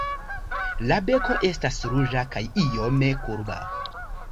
La beko estas ruĝa kaj iome kurba.